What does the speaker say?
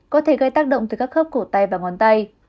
có thể gây tác động từ các khớp cổ tay và ngón tay